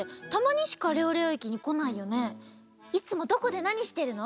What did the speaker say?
いつもどこでなにしてるの？